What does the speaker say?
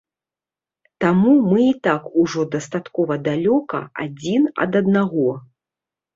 Таму мы і так ужо дастаткова далёка адзін ад аднаго.